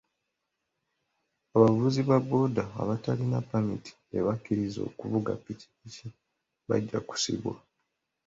Abavuzi ba booda abatalina ppamiti ebakkiriza okuvuga ppikipiki bajja kusibwa.